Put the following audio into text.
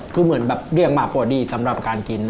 คือเหมือนแบบเลี่ยงมาพอดีสำหรับการกิน